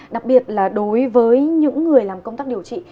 đặc biệt là đối với những người làm công tác điều trị